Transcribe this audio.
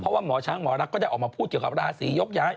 เพราะว่าหมอช้างหมอรักก็ได้ออกมาพูดเกี่ยวกับราศียกย้าย